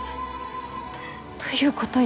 どういう事？